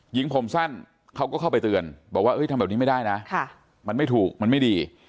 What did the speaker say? หญิงผมสั้นเขาก็เข้าไปเตือนบอกว่าทำแบบนี้ไม่ได้นะมันไม่ถูกมันไม่ดี